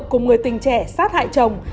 cùng người tình trẻ sát hại chồng